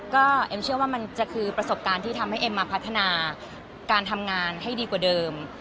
ก็เอ็มเชื่อว่ามันจะคือประสบการณ์ที่ทำให้เอ็มมาพัฒนาการทำงานให้ดีกว่าเดิม